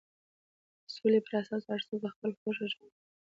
د سولې پر اساس هر څوک په خپله خوښه ژوند کوي.